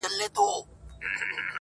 د هر چا به وي لاسونه زما ګرېوان کي!.